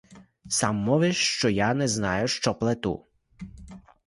Сам мовиш, що я не знаю, що плету.